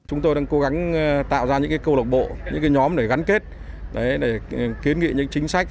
chúng tôi đang cố gắng tạo ra những câu lạc bộ những nhóm để gắn kết để kiến nghị những chính sách